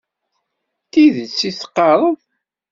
D tidet i d-teqqareḍ?